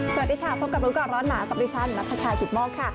สวัสดีค่ะพบกับรู้ก่อนร้อนหนาวกับดิฉันนัทชายกิตโมกค่ะ